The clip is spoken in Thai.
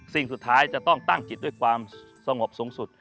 สิ่งสุดท้ายจะต้องตั้งจิตด้วยความสงบสูงสุด